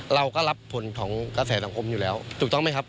เราก็รับผลของกระแสสังคมอยู่แล้วถูกต้องไหมครับ